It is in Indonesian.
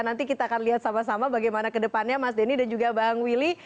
nanti kita akan lihat sama sama bagaimana kedepannya mas denny dan juga bang willy